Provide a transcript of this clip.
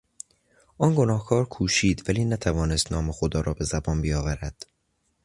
آن گناهکار کوشید ولی نتوانست نام خدا را به زبان بیاورد.